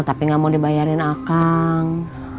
tapi gak mau dibayarin akang